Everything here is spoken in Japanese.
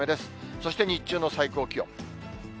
そして日中の最高気温。